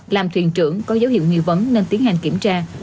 làm thuyền trưởng có dấu hiệu nghi vấn nên tiến hành kiểm tra